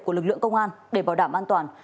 của lực lượng công an để bảo đảm an toàn